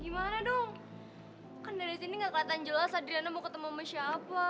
gimana dong kan dari sini gak kelihatan jelas adriana mau ketemu sama siapa